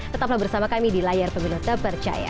tetaplah bersama kami di layar pemilu terpercaya